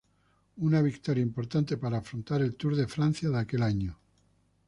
Una victoria importante para afrontar el Tour de Francia de aquel año.